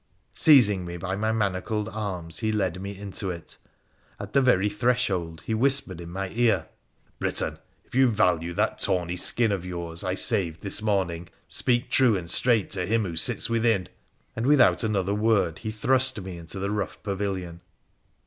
Seizing me by my manacled arms, he led me to it. At the very threshold he whispered in my ear —' Briton, if you value that tawny skin of yours I saved thi3 morning, speak true and straight to him who sits within ': and without another word he thrust me into the rough pavilion.